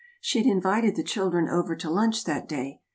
She had invited the children over to lunch that day.